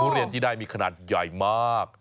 เรียนที่ได้มีขนาดใหญ่มาก